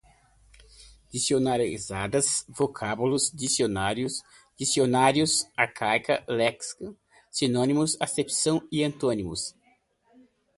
dicionarizadas, vocabulário, dicionário, dicionários, arcaicas, léxica, sinônimos, acepções, antônimos